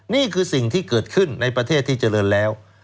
นี่คือสิ่งที่เกิดขึ้นในประเทศที่เจริญแล้ว